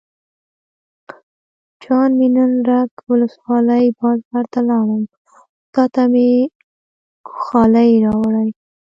جان مې نن رګ ولسوالۍ بازار ته لاړم او تاته مې ګوښالي راوړې.